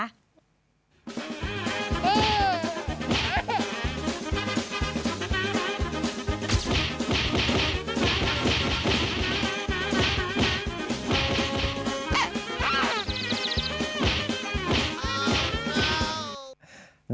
เออ